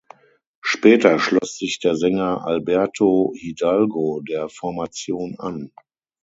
Später schloss sich der Sänger Alberto Hidalgo der Formation an.